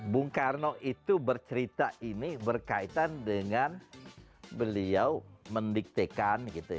bung karno itu bercerita ini berkaitan dengan beliau mendiktekan